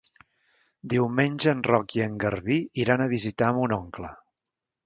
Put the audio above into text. Diumenge en Roc i en Garbí iran a visitar mon oncle.